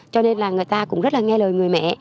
cho nên là người ta cũng rất là nghe lời người mẹ